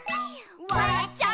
「わらっちゃう」